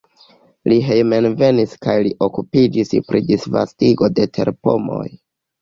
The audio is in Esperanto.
Li hejmenvenis kaj li okupiĝis pri disvastigo de terpomoj.